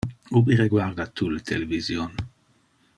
Ubi reguarda tu le television?